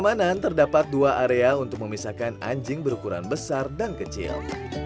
di mana terdapat dua area untuk memisahkan anjing berukuran besar dan kecil